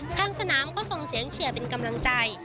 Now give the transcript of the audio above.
ทางสนามก็ส่งเสียงเชียร์เป็นกำลังใจ